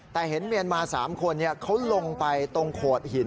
แต่เห็นเมียนมา๓คนเขาลงไปตรงโขดหิน